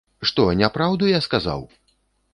Што, не праўду я сказаў?